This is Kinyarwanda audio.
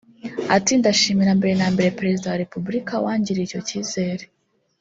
Ati “Ndashimira mbere na mbere Perezida wa Repubulika wangiriye icyo cyizere[